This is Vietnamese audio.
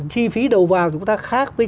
chi phí đầu vào của chúng ta khác với